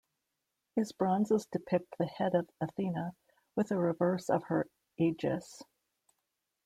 His bronzes depict the head of Athena with a reverse of her aegis.